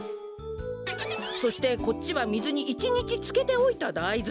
そしてこっちはみずに１にちつけておいただいずです。